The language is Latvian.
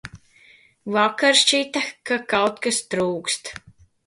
Vakar šķita, ka kaut kas trūkst.